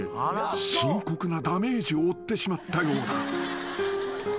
［深刻なダメージを負ってしまったようだ］